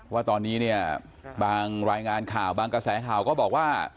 ว่าตอนนี้เนี่ยบางรายงานข่าวบางกระแสข่าวก็บอกว่า